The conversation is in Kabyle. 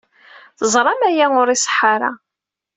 Teẓram aya ur iṣeḥḥa ara.